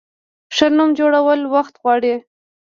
ښه نوم جوړول وخت غواړي.